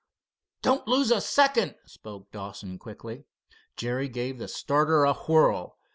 "Don't lose a second," spoke Dawson quickly. Jerry gave the starter a whirl.